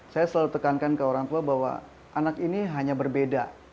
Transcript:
saya selalu tekankan ke orang tua bahwa anak ini hanya berbeda